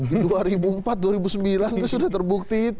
di dua ribu empat dua ribu sembilan itu sudah terbukti itu